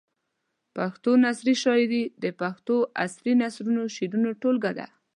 پښتو نثري شاعري د پښتو عصري نثري شعرونو ټولګه ده.